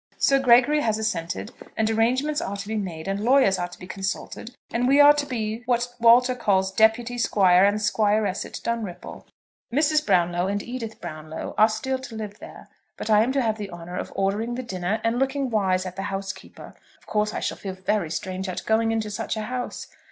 Sir Gregory has assented, and arrangements are to be made, and lawyers are to be consulted, and we are to be what Walter calls deputy Squire and Squiress at Dunripple. Mrs. Brownlow and Edith Brownlow are still to live there, but I am to have the honour of ordering the dinner, and looking wise at the housekeeper. Of course I shall feel very strange at going into such a house.